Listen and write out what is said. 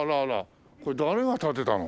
これ誰が建てたの？